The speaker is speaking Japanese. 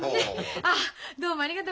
ああどうもありがとうございました。